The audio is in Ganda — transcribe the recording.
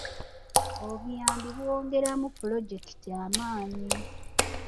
Obuyambi bwongeramu pulojekiti amaanyi.